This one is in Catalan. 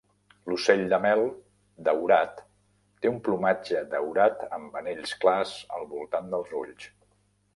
L'ocell de mel daurat té un plomatge daurat amb anells clars al voltant dels ulls.